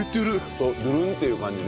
そうドゥルンっていう感じね。